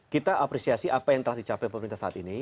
kita apresiasi apa yang telah dicapai pemerintah saat ini